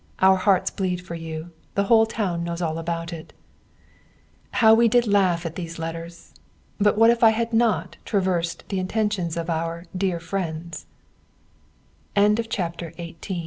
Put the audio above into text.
Our hearts bleed for you. The whole town knows all about it." How we did laugh at these letters! But what if I had not traversed the intentions of our _dear